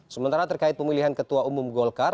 sementara terkait pemilihan ketua umum golkar